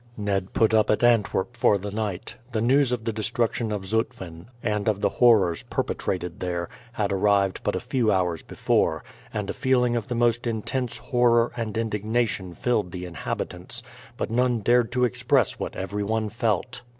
Ned put up at Antwerp for the night. The news of the destruction of Zutphen, and of the horrors perpetrated there, had arrived but a few hours before, and a feeling of the most intense horror and indignation filled the inhabitants; but none dared to express what every one felt.